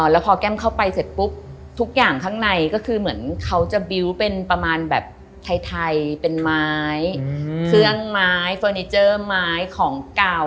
แล้วพอแก้มเข้าไปเสร็จปุ๊บทุกอย่างข้างในก็คือเหมือนเขาจะบิวต์เป็นประมาณแบบไทยเป็นไม้เครื่องไม้เฟอร์นิเจอร์ไม้ของเก่า